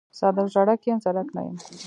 صادق ژړک یم زرک نه.